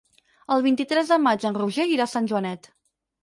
El vint-i-tres de maig en Roger irà a Sant Joanet.